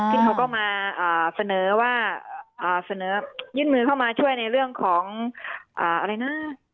ซึ่งเขาก็มาเสนอว่าเสนอยื่นมือเข้ามาช่วยในเรื่องของอะไรนะ